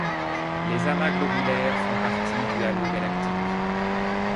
Les amas globulaires font partie du halo galactique.